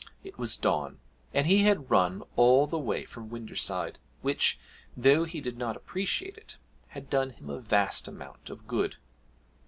It was Don, and he had run all the way from Winderside, which, though he did not appreciate it, had done him a vast amount of good.